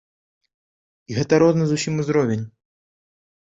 І гэта розны зусім узровень.